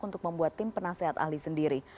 untuk membuat tim penasehat ahli sendiri